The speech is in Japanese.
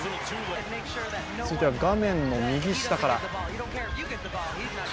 続いては、画面の右下から。